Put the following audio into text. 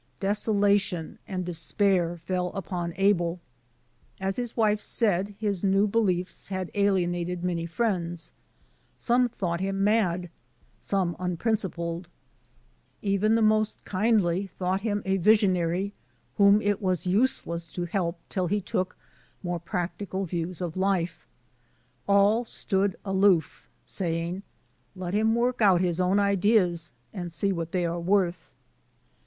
Desolation and despair fell upon Abel. As his wife said, his new beliefs had alienated many friends. Some thought him mad, some unprincipled. Even the most kindly thought him a visionary, whom it was useless to help till he Digitized by VjOOQ IC TRANSCENDENTAL WILD OATS 169 took more practical views of life. AH stood aloof, saying: *' Let him work out his own ideas, and see what they are worth."